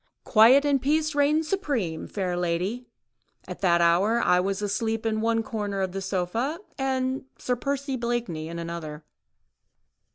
"Quiet and peace reigned supreme, fair lady; at that hour I was asleep in the corner of one sofa and Sir Percy Blakeney in another."